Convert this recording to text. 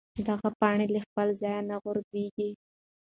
دغه پاڼه له خپل ځایه نه غورځېږي.